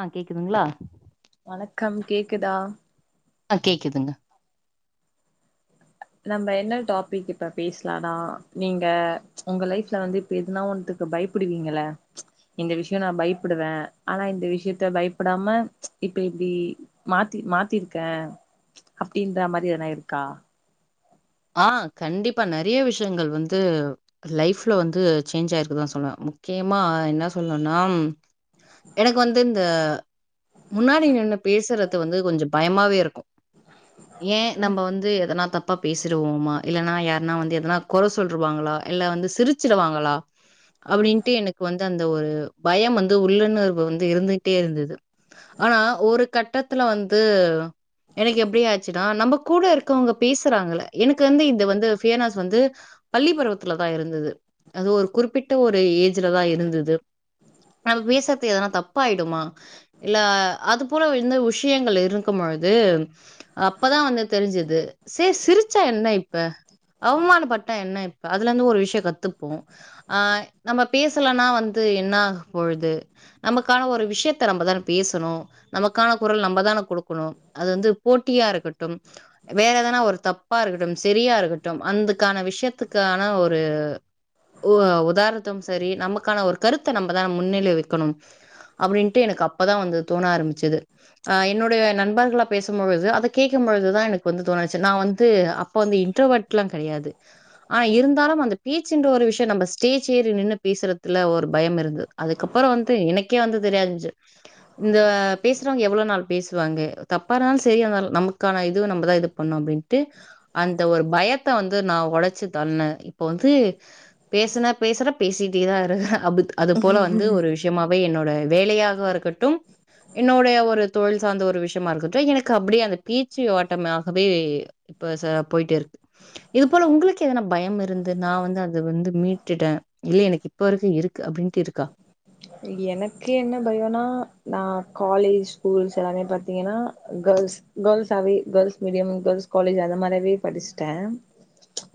அஹ் கேக்குதுங்ளா வணக்கம் கேக்குதா அ கேக்குதுங்க நம்ம என்ன டாபிக் இப்ப பேஸ்லானா நீங்க உங்க லைப்ல வந்து இப்ப எதுனா ஒண்ணுத்துக்கு பயப்புடுவீங்கள இந்த விஷ்யோ நா பயப்பிடுவ ஆனா இந்த விஷயத்த பயப்டாம இப்ப இப்டி மாத்தி மாத்திர்க்க அப்டின்ற மாரி எதுனா இருக்கா ஆ கண்டிப்பா நெறிய விஷ்யங்கள் வந்து லைஃப்ல வந்து சேஞ்ச் ஆய்க்குதா சொல்வ முக்கியமா என்ன சொல்ணுனாம் எனக்கு வந்து இந்த முன்னாடி நின்னு பேசுறது வந்து கொஞ்ச பயமாவே இருக்கு ஏ நம்ப ம் வந்து எதனா தப் பேசுறுவோமா இல்லனா யார்னா வந்து எதனா கொற சொல்ருவாங்குளா இல்ல வந்து சிரிச்சுடுவாங்களா அப்டின்ட்டு எனக்கு வந்து அந்த ஒரு பயம் வந்து உள்ளன்னர்பு வந்து இருந்துக்ட்டே இருந்துது ஆனா ஒரு கட்டத்துல வந்து எனக்கு எப்டி ஆச்சுனா நம்ம கூட இருக்கவ்ங்க பேஸ் துறாங்கல எனக்கு வந்து இத வந்து ஃபியர்னாஸ் வந்து பள்ளி பருவத்துலதா இருந்தது அது ஒரு குறிப்பிட்ட ஒரு ஏஜ்லதா இருந்தது நம பேசற்து எதனா தப்பாய்டுமா இல்ல அது போல இந்து விஷியங்கள் இருக்குமொழ்து அப்பதா வந்து தெரிஞ்சிது சே சிரிச்சா என்ன இப்ப அவமானப்பட்டா என்ன இப்ப அதுல இருந்து ஒரு விஷ்யோ கத்துப்போ அ நம்ம பேசலனா வந்து என்ன அ பொழுது நமக்கான ஒரு விஷ்யத்த நம்மதான பேசணு நமக்கான குரல் நம்மதான குடுக்குணு அது வந்து போட்டியா இருக்கட்டு வேற எதா நா ஒரு தப்பா இருக்கட்டும் செரியா இருக்கட்டு அந்துக்கான விஷ்யத்துக்கான ஒரு ஊவ உதார்ணத்தும் சரி நம்முக்கான ஒரு கருத்த நம்ப தா முன்னிலை வைக்கணும் அப்டின்ட்டு எனக்கு அப்பதா வந்து தோண ஆரமிச்சுது அ என்னுடைய நண்பர்குளா பேசுமொழுது அத கேக்குமொழுதுதா எனக்கு வந்து தோண நா வந்து அப்ப வந்து இன்ட்ரோவட்லா கெடயாது ஆனா இருந்தாலு அந்த பேச்சுன்ற ஒரு விஷ்யோ நம்ப ஸ்டேஜ் ஏறி நின்னு பேசுறதுல்ல ஒரு பயம் இருந்து அதுக்கப்புறோ வந்து எனக்கே வந்து தெரியான்ஞ்சு இந்த பேசுறவ்ங்க எவுளோ நாள் பேசுவாங்கே தப்பானாலு செரியா வரு நமுக்கான இதுவ நம்பதா இது பண்ணு அப்டின்ட்டு அந்த ஒரு பயத்த வந்து நா ஒடைச்சு தள்ன இப்போ வந்து பேசுன பேசுற பேசிட்டே தா இருக்க அபுத் அத போல வந்து ஒரு விஷ்யமாவே என்னோ வேலையாக இருக்கட்டு என்னுடைய ஒரு தொழில் சார்ந்த ஒரு விஷ்யமா இருக்கட்டு எனக்கு அப்டியே அந்த பேச்சு ஓட்டம அபே இப்ப ச போய்ட்டு இருக்கு இது போல உங்ளுக்கு எதனா பயம் இருந்து நா வந்து அத வந்து மீட்டுட்ட இல்ல எனக்கு இப்ப வரைக்கு இருக்கு அப்டின்ட் இருக்கா எனக்கு என்ன பயோனா நா காலேஜ் ஸ்கூல்ஸ் எல்லாமே பாத்தீங்கனா கேள்ஸ் கேர்ள்ஸாவே கேள்ஸ் மீடியமு கேள்ஸ் காலேஜ் அத மாரியாவே படிஸ்ட்ட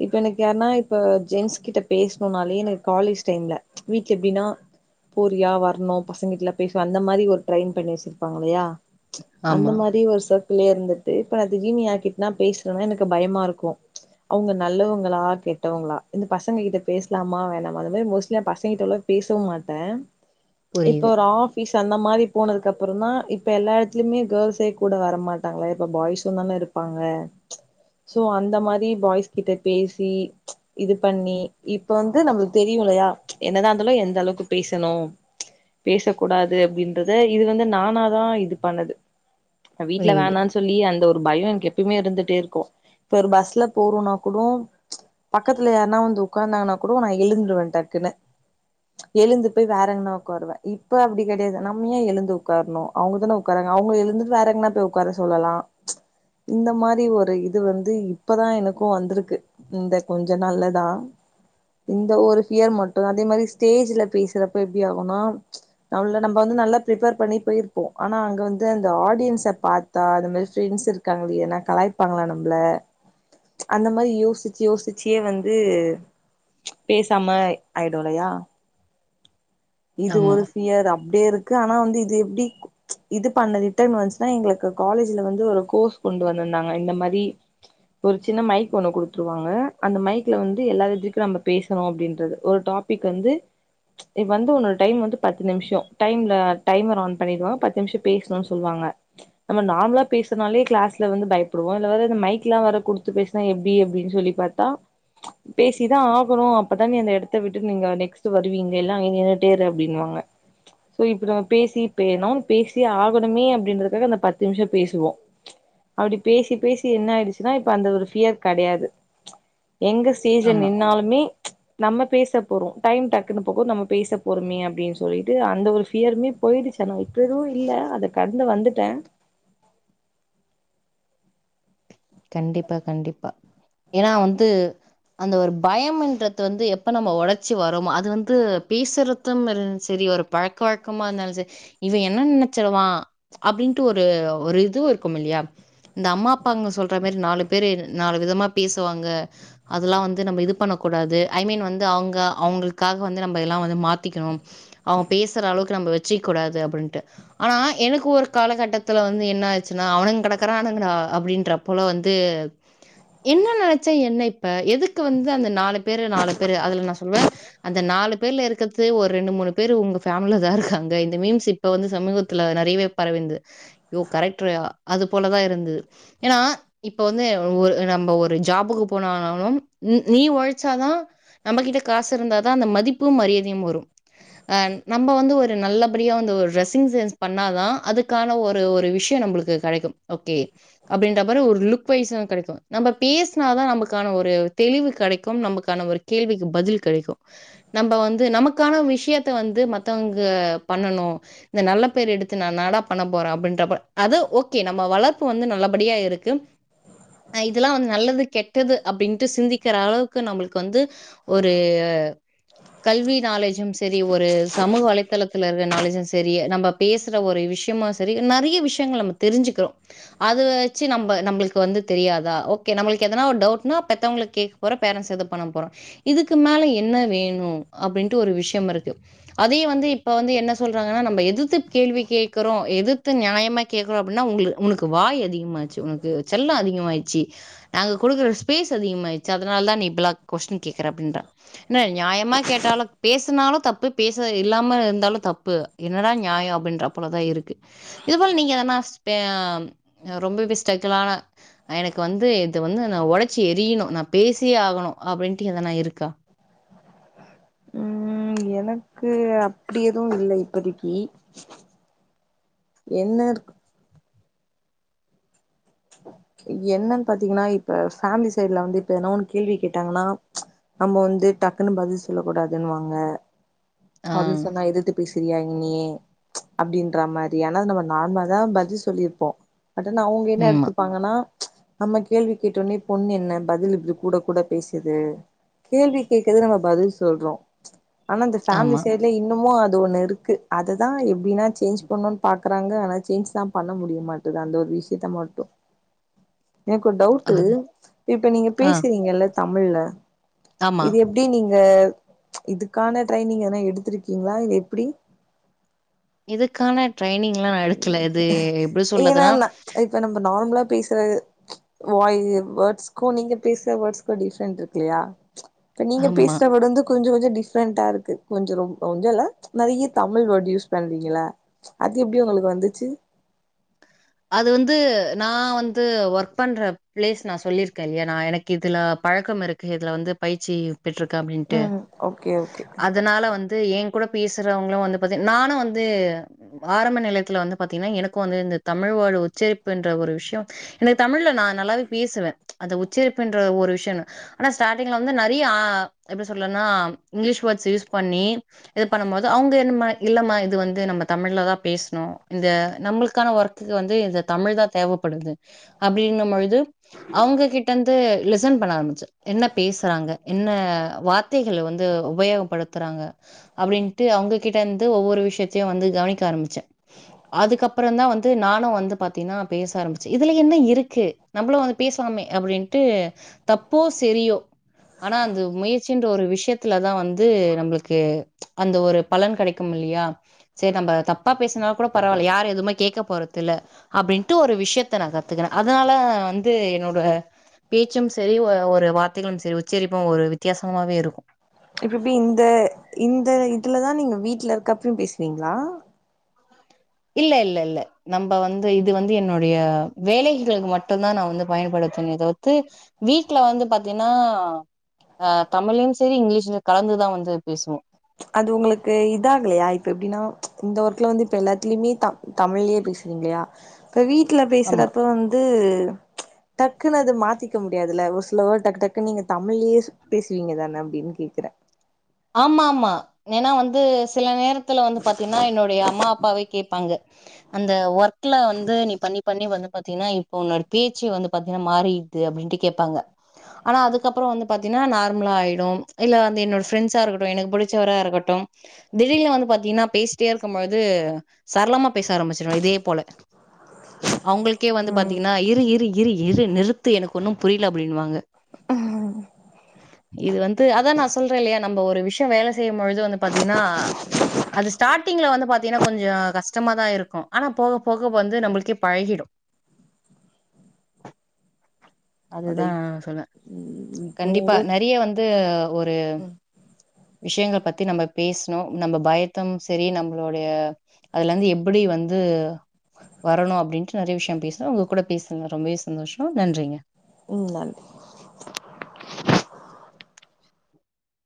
இப்ப எனக்கு யார்னா இப்போ ஜென்ஸ் கிட்ட பேஸ்ணுனாலே எனக்கு காலேஜ் டைம்ல வீட்ல எப்டினா போரியா வர்ணு பசங்கிட்ல பேசு அந்த மாரி ஒரு ட்ரைன் பண்ணி வச்சிருப்பாங்க இல்லயா அந்த ஆமா. மாரி ஒரு சர் குள்ளே இருந்துட்டு இப்ப நா திடீர்னு யார்க்கிட்னா பேசுனனா எனக்கு பயமா இருக்கு அவுங்க நல்லவுங்குளா கெட்டவங்ளா இந்த பசங்க கிட்ட பேஸ்லாமா வேணாமா அது மாரி மோஸ்ட்லியா பசங்கிட்டலா பேசவு மாட் ட இப்ப புரியுது, ஒரு ஆஃபீஸ் அந்த மாரி போனதுக்கு அப்புறும்மா இப்ப எல்லா எடத்லுமே கேள்ஸே கூட வரமாட்டாங்ளே இப்ப பாய்ஸ் தான இருப்பாங்க சோ அந்த மாரி பாய்ஸ் கிட்ட பேசி இது பண்ணி இப்ப வந்து நம்ளுக் தெரியுல்லயா என்னதா இருந்தாலு எந்த அளவ்க்கு பேசணு பேச கூடாது அப்டின்றத இது வந்து நானாதா இது பண்ணது அ வீட்ல புரியுது. வேணான் சொல்லி அந்த ஒர் பயோ என்க்கு எப்புமே இருந்துட்டே இருக்கு இப்ப ஒரு பஸ்ல போறோனா கூடோ பக்கத்துல யார்னா வந்து உக்காந்தானா கூடோ நா எழுந்ருவ டக்குன்னு எழுந்து பேய் வேற எங்ன்னா உக்காருவ இப்ப அப்டி கெடயாது நம்மியே எழுந்து உட்கார்ணு அவுங்கதான உக்காராங்க அவுங்கள எழுந்துட்டு வேற எங்ன்னா போய் உக்கார சொல்லலா இந்த மாரி ஒரு இது வந்து இப்பதா எனக்கு வந்திருக்கு இந்த கொஞ்ச நாள்லதா இந்த ஒரு ஃபியர் மட்டுதா அதே மாரி ஸ்டேஜுல பேசுறப்ப எப்டி ஆகுனா நம்ள நம்ப வந்து நல்லா ப்ரீப்பேர் பண்ணி பேய்ர்ப்போ ஆனா அங்க வந்து அந்த ஆடியன்ஸ பாத்தா அத மாரி ஸ்ட்ரீன்ஸ் இருக்காங்க இல்லேனா கலாய்ப்பாங்குளா நம்ள அந்த மாரி யோசிச்சு யோசிச்சே வந்து பேசாம ஆய்டு இல்லயா இது ஆமா, ஒரு ஃபியர் அப்டே இருக் கு ஆனா வந்து இது எப்டி இது பண்ண ரிட்டன் வன்ஸ்னா எங்களுக்கு காலேஜ்ல வந்து ஒரு கோர்ஸ் கொண்டு வந்திந்தாங்க இந்த மாரி ஒரு சின்ன மைக் ஒண்ணு குடுத்ருவாங்க அந்த மைக்ல வந்து எல்லா இதுக்கு நம்ம பேசணு அப்டின்றது ஒரு டாபிக் வந்து எ வந்து உன்னோட டைம் வந்து பத்து நிம்ஷோ டைம்ல டைமர் ஆன் பண்ணிர்னு பத்து நிம்ஷோ பேஸ்ணுன் சொல்வாங்க நம்ம நார்ம்லா பேசுனாலே கிளாஸ்ல வந்து பயப்டுவோ இதுல வேற இது மைக்லா வேற குடுத்து பேஸ்னா எப்டி அப்டின் சொல்லி பாத்தா பேசிதா ஆகணு அப்பதா நீ அந்த எடத்த விட்டு நீங்க் நெக்ஸ்ட்டு வ நீங்க எல்லா இங்க நின்னுட்டே இரு அப்டின்வாங்க சோ இப்ப நம்ம பேசி பேணு பேசி ஆகணுமே அப்டின்றதுகாக அந்த பத்து நிம்ஷோ பேசுவோ அப்டி பேசி பேசி என்ன ஆய்டுச்சுனா இப்ப அந்த ஒரு ஃபியர் கெடையாது எங்க ஸ்டேஜ்ல ஆமா. நின்னாலுமே நம்ம பேசப் போறோ டைம் டக் போகு நம்ம பேசப் போறோமே அப்பிடின்னு சொல்லிட்டு அந்த ஒரு ஃபியருமே போயிடுச்சு ஆனா இப்ப எதுவு இல்ல அதக் கடந்து வந்துட்ட கண்டிப்பா கண்டிப்பா ஏன்னா வந்து அந்த ஒரு பயம்ன்றது வந்து எப்ப நம்ம ஒடச்சு வர்றோமோ அது வந்து பேசுர்றது இருந் செரி ஒரு பழக்க வழக்கமா இருந்தாலு செரி இவ என்ன நெனச்சிடுவா அப்டின்ட்டு ஒரு ஒரு இதுவு இருக்கு இல்லயா இந்த அம்மா அப்பாங்க சொல் [unintelligible] மாரி நாலு பேர் நாலு விதமாப் பேசுவாங்க அதுல்லா வந்து நம்ப இது பண்ணக் கூடாது ஐ மீன் வந்து அவுங்க அவுங்களுக்காக வந்து நம்ப இதுல்லாம் வந்து மாத்திக்கணு அவுங்க பேசுற அளவுக்கு நம்ப வச்சுக்கக் கூடாது அப்பிடின்ட்டு ஆனா எனக்கு ஒரு காலகட்டத்துல வந்து என்ன ஆச்சுன்னா அவனுங்க கெடக்குறானுங்கடா அப்டின்றாப் போல வந்து என்ன நெனச்சா என்ன இப்ப எதுக்கு வந்து அந்த நாலுப் பேரு நாலு பேரு அதுல நா சொல்லுவ அந்த நாலு பேர்ல இருக்கற்து ஒரு ரெண்டு மூணு பேர் உங்க ஃபேம்லதா இருக்காங்க இந்த மீம்ஸ் இப்ப வந்து சமீபத்தில நெறைவே பரவிந்து யோ கரக்டுர்யா அது போலதா இருந்துது ஏனா இப்ப வந்து ஒர் நம்ப ஒரு ஜாபுக்கு போனானாலு நீ ஒழைச்சாதா நம்ப கிட்ட காசு இருந்தாதா அந்த மதிப்பும் மரியாதையும் வரும் அஹ் நம்ப வந்து ஒரு நல்லபடியா வந்து ஒரு ட்ரெஸ்ஸிங் சென்ஸ் பண்ணாதா அதுக்கான ஒரு ஒரு விஷயம் நம்பளுக்கு கெடைக்கும் ஓகே அப்பிடின்ற மாரி ஒரு லுக் வைஸும் கெடக்கும் நம்ப பேசுனாதா நம்பள்க்கான ஒரு தெளிவு கெடைக்கும் நமக்கான ஒரு கேள்விக்கு பதில் கெடைக்கு நம்ப வந்து நமக்கான விஷயத்த வந்து மத்தவங்க பண்ணணு இந்த நல்ல பேர் எடுத்து நா நாடா பண்ணப் போறே அப்பிடின்ற ப்ப அது ஓகே நம்ம வளர்ப்பு வந்து நல்லப் படியா இருக்கு அ இதெல்லா வந்து நல்லது கெட்டது அப்பிடின்ட்டு சிந்திக்கற அளவுக்கு நம்புளுக்கு வந்து ஒரு கல்வி நாலேஜும் செரி ஒரு சமூக வலைத்தளத்துல இருக்க நாலேஜும் செரி நம்ம பேசுற ஒரு விஷயமா செரி நறைய விஷயங்கள் நம்ம தெரிஞ்சுக்கிறோ அத வ ச்சு நம்ப நம்பளுக்கு வந்து தெரியாதா ஓகே நம்பளுக்கு எதனா ஒரு டவுட்னா ஓகே பெத்தவங்களக் கேக்கப் போறோ பேரன்ட்ஸ அதப் பண்ணப் போறோ இதுக்கு மேல என்ன வேணும் அப்பிடின்ட்டு ஒரு விஷயம் இருக்கு அதயு வந்து இப்ப வந்து என்ன சொல்றாங்கன்னா நம்ம எதுத்து கேள்வி கேக்குறோ எதுத்து நியாயமா கேக்குறோ அப்பிடின்னா உங்களுக்கு வாய் அதிகமா ஆ ச்சு உனக்கு செல்லோ அதிகமாய்ரிச்சு நாங்க குடுக்குற ஸ்பேஸ் அதிகமாயிருச்சு அதனால தா நீ இப்டில்லா கொஸ்ட்டின் கேக்கற அப்டின்டா என்ன நியாயமா கேட்டாலு பேசுனாலு தப்பு பேசுறது இல்லாம இருந் தாலு தப்பு என்னடா நியாயோ அப்பிடின்றாப் போலதா இருக்கு இது போல நீங்க எதனாஸ் [unintelligible] அம் ரொம்பவே ஸ் டேக்கலான எனக்கு வந்து இத வந்து நா ஒடச்சி எரியணு நா பேசியே ஆகணு அப்படின்ட்டு எதுனா இருக்கா உம் எனக்கு அப்பிடி எது இல்லை இப்பதிக்கி என்னருக் என்னன்னு பாத்தீங்கன்னா இப்ப ஃபாமிலி சைட்ல வந்து இப்ப எதன்னா ஒன்னு கேள்வி கேட்டாங்கன்னா நம்ம வந்து டக்குன்னு பதில் சொல்ல கூடாதுன்னுவாங்க ஆ. பதில் சொன்னா எதிர்த்து பேசுறியா என்னயே அப்பிடின்ற மாதிரி ஆனா நம்ம நார்மலாதா பதில் சொல்லியிருப்போ பட்டு அவுங்க என்ன ம். எடுத்துப்பாங்கன்னா நம்ம கேள்வி கேட்டோன்னே பொண்ணு என்ன பதில் இப்பிடி கூட கூட பேசுது கேள்வி கேட்கர்து நம்ம பதில் சொல்றோ ஆனா இந்த ஃபாமிலி ஆமா. சைட்ல இன்னமும் அத் அது ஒன்னு இருக்கு அதுதா எப்டின்னா சேஞ்ச் பண்ணுன்னு பாக்கறாங்க ஆனா சேஞ்ச் தா பண்ண முடிய மாட்டுது அந்த ஒரு விஷயத்த மட்டும் எனக்கு ஒரு டவுட்டு அது. இப்ப நீங்க ஆ. பேசுறீங்கல்ல தமிழ்ல ஆமா. இது எப்பிடி நீங்க இதுக்கான ட்ரெய்னிங் எனா எடுத்திருக்கீங்களா இல்ல எப்பிடி இதுக்கான ட்ரெய்னிங்லாம் நான் எடுக்கல. இது எப்படி ஏனா சொல்றதுன்னா நா இப்ப நம்ப நார்மலாப் பேசுற வாய் எ வேர்ட்ஸ்க்கு நீங்க பேசுற வேர்ட்ஸ்க்கு டிஃப்ரெண்ட்ருக்கு இல்லையா இப்ப நீங்க ஆமா. பேசுற வேர்ட் வந்து கொஞ்சோ இது டிஃப்ரெண்டாருக்கு கொஞ்சோ ரொம் கொஞ்சல்ல நெறைய தமிழ் வேர்ட்டு யூஸ் பண்றீங்கல்ல அத எப்பிடி உங்களுக்கு வந்துச்சு அது வந்து நா வந்து ஒர்க் பண்ற பிளேஸ் நா சொல்லியிருக்கே இல்லையா நா எனக்கு இதுல பழக்கம் இருக்கு இதுல வந்து பயிற்சி பெற்றுருக்க அப்பிடின்ட்டு ம் ஓகே ஓகே அதனால வந்து ஏன் கூடப் பேசுறவங்களு வந்து பாத்தீ நானு வந்து ஆரம்ப நிலையத்துல வந்து பாத்தீங்ன்னா எனக்கு வந்து இந்த தமிழ் வேர்ட்டு உச்சரிப்புன்ற ஒரு விஷயோ எனக்கு தமிழ்ல நா நல்லாவே பேசுவே அந்த உச்சரிப்புன்ற ஒரு விஷயன்னு ஆனா ஸ்டார்டிங்ல வந்து நெறைய அ எப்பிடி சொல்லன்னா அஹ் இங்கிலீஷ் வேர்ட்ஸ் யூஸ் பண்ணி இது பண்ணும் போது அவுங்க என்ன இல்லம்மா இது வந்து நம்ம தமிழ்ல தா பேசணு இந்த நம்பள்கான ஒர்க் வந்து இது தமிழ் தா தேவப்படுது அப்டின்ன பொழு து அவுங்க கிட்டந்து லிசன் பண்ண ஆரம்பிச்ச என்ன பேசறாங்க என்ன வார்த்தைகள வந்து உபயோகப்படுத்துறாங்க அப்டின்ட்டு அவுங்ககிட்டந்து ஒவ்வொரு விஷயத்தையு வந்து கவனிக்க ஆரம்பிச்ச அதுக்கப்பறோ தா வந் து நானு வந்து பாத்தீன்னா பேச ஆரம்பிச்ச இதுல என்ன இருக்கு நம்மளு வந்து பேசலாமே அப்டின்ட்டு தப்போ சரியோ ஆனா அந்த முயற்சின்ற ஒரு விஷயத்துலதா வந்து நம்ளுக்கு அந்த ஒரு பலன் கெடைக்கும் இல்லையா சரி நம்ப தப்பா பேசன கூட பரவால்ல யாரு எதுவுமே கேக்க போறதில்ல அப்டின்ட்டு ஒரு விஷயத்த நா கத்துக்கற அதனால வந்து என்னோட பேச்சும் சரி ஒரு ஒரு வார்த்தைகளு சரி உச்சரிப்பு ஒரு வித்தியாசமாவே இருக்கு இப்பெப்டி இந்த இந்த இதுலதா நீங்க வீட்ல இருக்கப்பியு பேசுவீங்களா இல்ல இல்ல இல்ல நம்ப வந்து இது வந்து என்னோடைய வேலைகளுக்கு மட்டும்தா நா வந்து பயன்படுத்துவன தவுர்த்து வீட்ல வந்து பாத்தீங்ன்னா அஹ் தமில்லயு சரி இங்கிலீஷ்லு கலந்துதா வந்து பேசுவோ அது உங்களுக்கு இதாகலையா இப்ப எப்டின்னா இந்த ஒர்க்ல வந்து இப்ப எல்லாத்துலயுமே த தமில்லயே பேசுறீங்களையா இப்ப வீட்ல ஆமா பேசுறப்ப வந்து டக்குன்னு அத மாத்தி க்க முடியாதுல ஒரு சில வோட் டக் டக்குனு நீங்க தமிழ்லயே பேசுவீங்க தான அப்டின் கேக்கற ஆமா ஆமா ஏன்னா வந்து சில நேரத் ல வந்து பாத்தீங்ன்னா என்னுடைய அம்மா அப்பாவே கேப் பாங்க அந்த ஒர்க் ல வந்து நீ பண்ணி பண்ணி வந்து பாத்தீங்கன்னா இப்ப உன்னோட பேச்சு வந்து பாத்தீங்கன்னா மாறிடுது அப்டின்ட்டு கேப்பாங்க ஆனா அதுக்கப்றோ வந்து பாத்தீங்கன்னா நார்மலா ஆயிடு இல்ல வந்து என்னோட ஃப்ரெண்ட்ஸா இருக்கட்டு எனக்கு பிடிச்சவரா இருக்கட்டு திடீர்னு வந்து பாத்தீங்கன்னா பேசிட்டே இருக்கும்போது சரளமா பேச ஆரம்பிச்சிடுவ இதே போல அவங்களுக்கே வந்து ம் பாத்தீங்கன்னா இரு இரு இரு இரு நிறுத்து எனக்கு ஒன்னு புரில அப்டின்னுவாங்க அஹ் இது வந்து அதா நா சொல் ற இல்லையா நம்ப ஒரு விஷயோ வேல செய்யு போது வந்து பாத்தீங்கன்னா அது ஸ்டாடிங்ல வந்து பாத்தீங்கனா கொஞ்சோ கஷ்டமாதா இருக்கு ஆனா போக போக வந்து நம்பளுக்கே பழகிடு அத அதுதா இப் சொல்வ ம் இப்போ கண்டிப்பா உங்க நறய வந்து ஒரு ம் விஷயங்க பத்தி நம்ம பேசணு நம்ப பயத்தும் சரி நம்பளோடைய அதுல ருந்து எப்டி வந்து வரணு அப்டின்ட்டு நறைய விஷயம் பேசனோம் உங்க கூட பேசன ரொம்பவே சந்தோஷோ நன்றிங்க உம் நன்றி